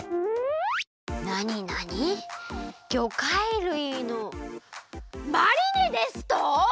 なになにぎょかいるいのマリネですと！？